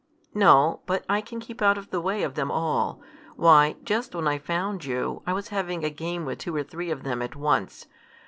"No, but I can keep out of the way of them all. Why, just when I found you, I was having a game with two or three of them at once.